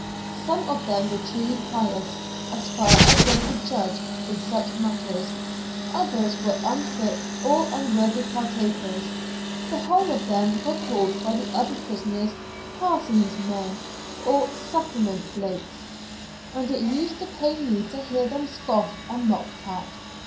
Some of them were truly pious, as far as one could judge in such matters, others were unfit or unworthy partakers, the whole of them were called by the other prisoners "Parson's men," or "Sacrament blokes," and it used to pain me to hear them scoffed and mocked at.